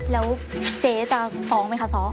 แล้วเจ๊จะฟ้องไหมคะซ้อ